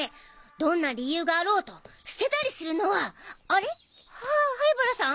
どんな理由があろうと捨てたりするのはあれ？は灰原さん？